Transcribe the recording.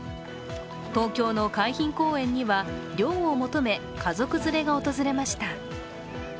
東京の海浜公園には涼を求め、家族連れが訪れました。